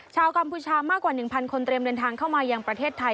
กัมพูชามากกว่า๑๐๐คนเตรียมเดินทางเข้ามายังประเทศไทย